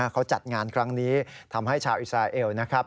เขาจัดงานครั้งนี้ทำให้ชาวอิสราเอลนะครับ